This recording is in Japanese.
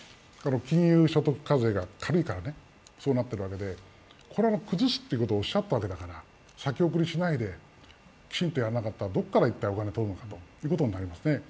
金融所得課税が軽いからそうなっているわけでこれは崩すということをおっしゃったわけだから先送りしないで、きちんとやらなかったら、どこからお金を取るのかということになりますよね。